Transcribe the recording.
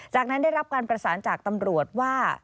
จากนั้นได้รับการประสานจากตำรวจว่า